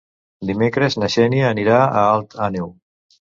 Dimecres na Xènia anirà a Alt Àneu.